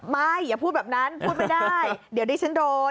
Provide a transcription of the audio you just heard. อย่าพูดแบบนั้นพูดไม่ได้เดี๋ยวดิฉันโดน